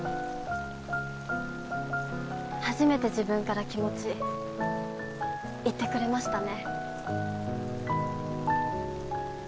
初めて自分から気持ち言ってくれましたね。